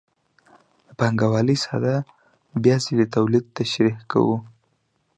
د پانګوالۍ ساده بیا ځلي تولید تشریح کوو